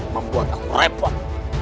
membuat aku repot